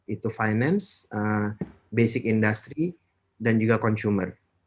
itu finance basic industry dan juga consumer